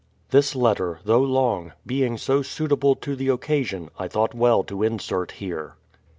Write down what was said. This letter, though long, being so suitable to the occasion I thought well to insert here.